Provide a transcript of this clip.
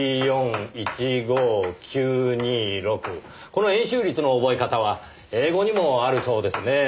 この円周率の覚え方は英語にもあるそうですねぇ。